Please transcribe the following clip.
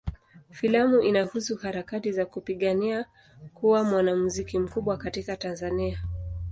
Filamu inahusu harakati za kupigania kuwa mwanamuziki mkubwa katika Tanzania.